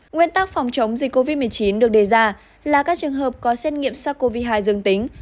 nguyên tắc phòng chống dịch covid một mươi chín được đề ra là các trường hợp có xét nghiệm sars cov hai dương tính